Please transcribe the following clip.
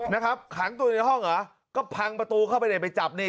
นะครับขังตัวอยู่ในห้องเหรอก็พังประตูเข้าไปเนี่ยไปจับนี่